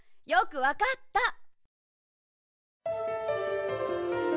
よくわかった！